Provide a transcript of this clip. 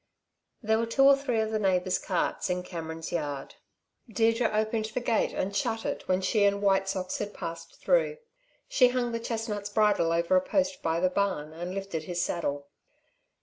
There were two or three of the neighbours' carts in Cameron's yard. Deirdre opened the gate and shut it when she and White Socks had passed through. She hung the chestnut's bridle over a post by the barn, and lifted his saddle.